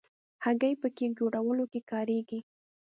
هګۍ په کیک جوړولو کې کارېږي.